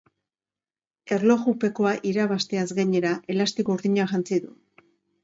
Erlojupekoa irabazteaz gainera, elastiko urdina jantzi du.